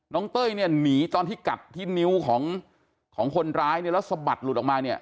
เต้ยเนี่ยหนีตอนที่กัดที่นิ้วของของคนร้ายเนี่ยแล้วสะบัดหลุดออกมาเนี่ย